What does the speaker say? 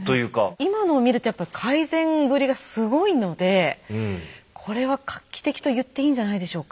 今のを見ると改善ぶりがすごいのでこれは画期的と言っていいんじゃないでしょうか。